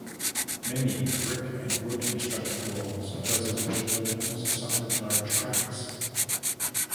Many brick and wood constructed walls of residential buildings suffered large cracks.